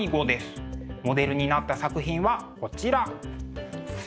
モデルになった作品はこちら。